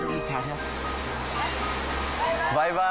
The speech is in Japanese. バイバイ。